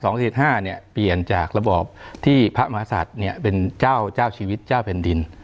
เนี่ยเปลี่ยนจากระบอบที่พระมหาศัตริย์เนี่ยเป็นเจ้าเจ้าชีวิตเจ้าแผ่นดิน